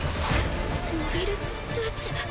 モビルスーツ？